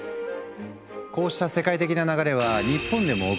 こうした世界的な流れは日本でも起きていて。